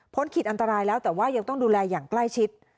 ขีดอันตรายแล้วแต่ว่ายังต้องดูแลอย่างใกล้ชิด